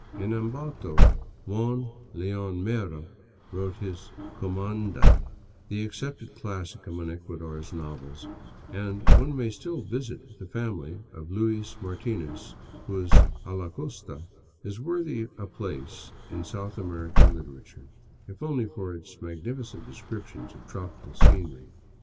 In Ambato Juan Leon Mera wrote his " Cumanda," the accepted classic among Ecuador's novels; and one may still visit the family of Luis Martinez, whose "A la Costa'' is vworthy a place in South American literature, if only for its magnificent descriptions of tropical scenery.